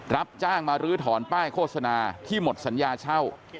รับจ้างมาลื้อถอนป้ายโฆษณาที่หมดสัญญาเช่า